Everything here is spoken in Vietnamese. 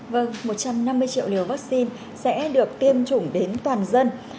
vâng một trăm năm mươi triệu liều vaccine sẽ được tiêm chủng đến toàn dân